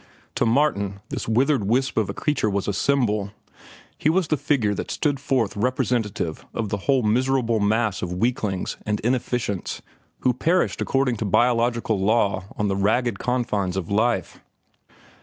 To Martin this withered wisp of a creature was a symbol. He was the figure that stood forth representative of the whole miserable mass of weaklings and inefficients who perished according to biological law on the ragged confines of life.